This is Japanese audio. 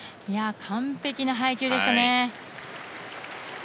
完璧な配球でしたね。